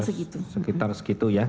sekitar segitu ya